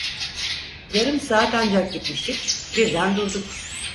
Yarım saat ancak gitmiştik, birden durduk.